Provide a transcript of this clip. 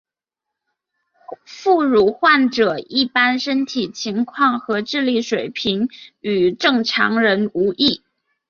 副乳患者一般身体情况和智力水平与正常人无异。